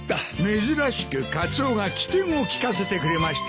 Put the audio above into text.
珍しくカツオが機転を利かせてくれましてね。